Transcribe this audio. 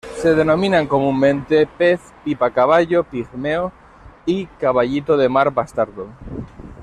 Se denominan comúnmente pez pipa-caballo pigmeo y caballito de mar bastardo.